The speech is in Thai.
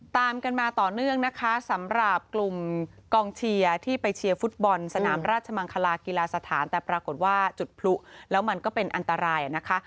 ตามกันมาต่อเนื่องนะคะสำหรับกลุ่มกองเชียร์ที่ไปเชียร์ฟุตบอลสนามราชมังคลากีฬาสถานแต่ปรากฏว่าจุดพลุแล้วมันก็เป็นอันตรายนะคะ